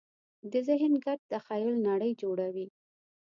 د ذهن ګډ تخیل نړۍ جوړوي.